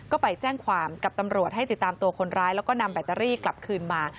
ก็ไปแจ้งความกับตำรวจให้ติดตามตัวคนร้ายแล้วก็นำแบตเตอรี่กลับคืนมา